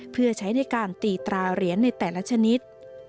เพื่อใช้ในการตีตราเหรียญในแต่ละชนิด